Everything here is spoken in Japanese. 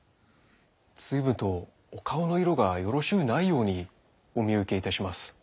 随分とお顔の色がよろしうないようにお見受けいたします。